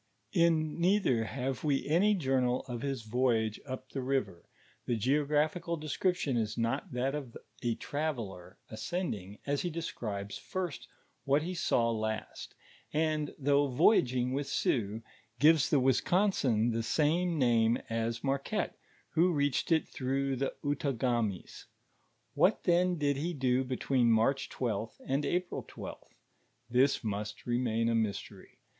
In neither hare we any journal of his voyage np the rirer ; the geogmpUeal description is not that of a traveller ascending^ a« he describe* first what he saw last ; and though voyaging with Sioux; gives the Wisconsin the same name as Marquette, who reached it through the Outagamis. What then did he do b«> tween March 12th, and April 12th I This must remain a mystery.